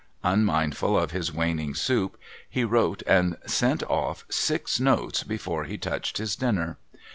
Unmindful of his waning soup, he wrote and sent off six notes before he touched his dinner.